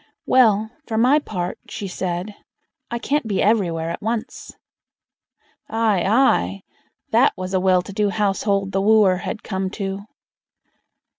"Well! for my part", she said, "I can't be everywhere at once." Aye! aye! that was a well to do household the wooer had come to.